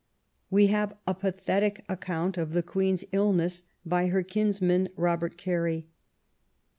We have a pathetic account of the Queen's illness by her kinsman, Robert Carey.